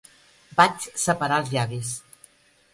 Vaig separar els llavis.